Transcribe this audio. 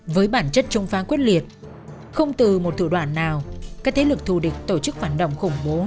với bản chất chống phá quyết liệt không từ một thủ đoạn nào các thế lực thù địch tổ chức phản động khủng bố